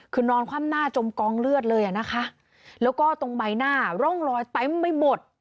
คือนอนคว่ำหน้าจมกองเลือดเลยอ่ะนะคะแล้วก็ตรงใบหน้าร่องรอยเต็มไปหมด